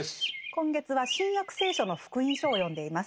今月は「新約聖書」の「福音書」を読んでいます。